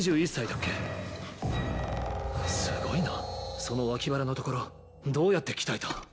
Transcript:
凄いなその脇腹のところどうやって鍛えた？